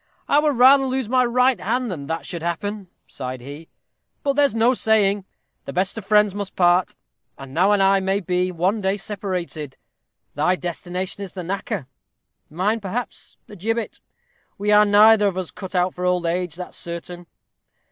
"I would rather lose my right hand than that should happen," sighed he; "but there's no saying: the best of friends must part; and thou and I may be one day separated: thy destination is the knacker mine, perhaps, the gibbet. We are neither of us cut out for old age, that's certain.